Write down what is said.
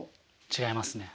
違いますね。